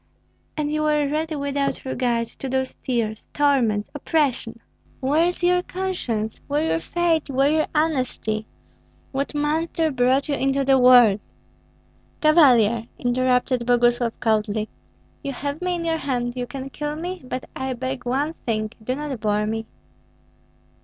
And you were ready without regard to those tears, torments, oppression. Where is your conscience, where your faith, where your honesty? What monster brought you into the world?" "Cavalier," interrupted Boguslav, coldly, "you have me in your hand, you can kill me; but I beg one thing, do not bore me."